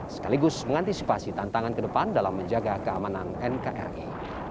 sekaligus mengantisipasi tantangan ke depan dalam menjaga keamanan nkri